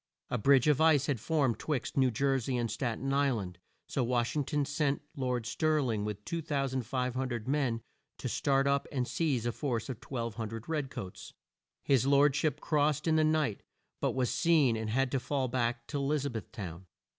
A bridge of ice had formed 'twixt New Jer sey and Stat en Isl and, so Wash ing ton sent Lord Stir ling with 2,500 men to start up and seize a force of 1,200 red coats. His lord ship crossed in the night, but was seen and had to fall back to E liz a beth town.